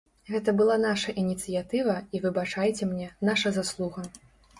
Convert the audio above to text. Гэта была наша ініцыятыва і, выбачайце мне, наша заслуга.